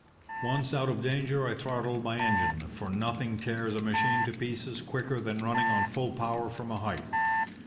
"Once out of danger I throttled my engine, for nothing tears a machine to pieces quicker than running on full power from a height.